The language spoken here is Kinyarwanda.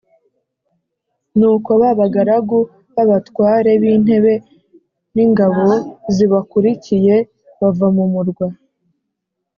Nuko ba bagaragu b’abatware b’intebe n’ingabo zibakurikiye, bava mu murwa